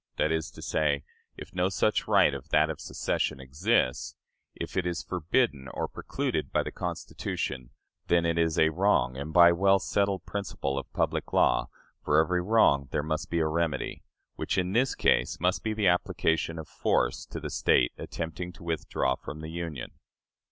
That is to say, if no such right as that of secession exists if it is forbidden or precluded by the Constitution then it is a wrong; and, by a well settled principle of public law, for every wrong there must be a remedy, which in this case must be the application of force to the State attempting to withdraw from the Union.